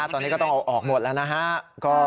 ตอนนี้ก็ต้องเอาออกหมดแล้วนะฮะ